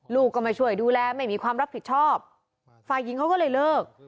ลูกก็มาช่วยดูแลไม่มีความรับผิดชอบฝ่ายหญิงเขาก็เลยเลิก